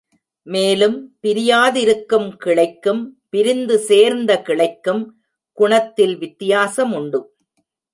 மேலும், பிரியாதிருக்கும் கிளைக்கும் பிரிந்து சேர்ந்த கிளைக்கும் குணத்தில் வித்தியாசமுண்டு.